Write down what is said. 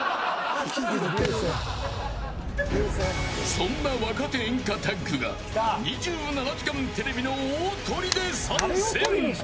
そんな若手演歌タッグが２７時間テレビの大トリで参戦。